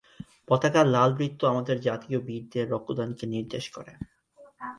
পতাকার লাল বৃত্ত আমাদের জাতীয় বীরদের রক্তদানকে নির্দেশ করে।